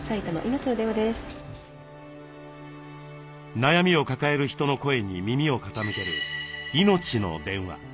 ☎悩みを抱える人の声に耳を傾ける「いのちの電話」。